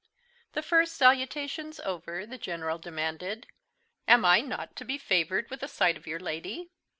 The first salutations over, the General demanded, "Am I not to be favoured with a sight of your lady?